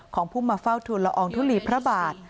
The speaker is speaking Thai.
ของผู้มาเฝ้าธุรรมทุลีพระบาท